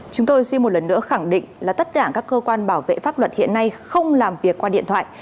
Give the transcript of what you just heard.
chúng tôi xin một lần nữa khẳng định là tất cả các cơ quan bảo vệ pháp luật hiện nay không làm việc qua điện thoại